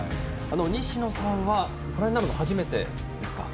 西野さんはご覧になるの初めてですか？